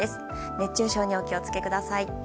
熱中症にお気をつけください。